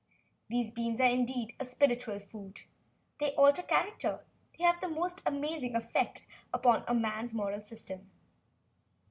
These beans are indeed a spiritual food. They alter character. They have the most amazing effect upon a man's moral system."